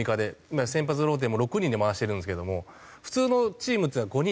今先発ローテも６人で回してるんですけども普通のチームっていうのは５人なんですよ。